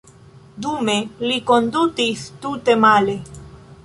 Dume li kondutis tute male.